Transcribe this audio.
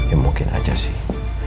ya mungkin aja sih